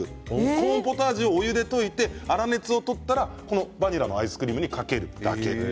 コーンポタージュをお湯で溶いてから粗熱を取ったらバニラのアイスクリームにかけるだけです。